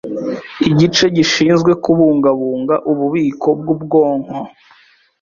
igice gishinzwe kubungabunga ububiko bw’ubwonko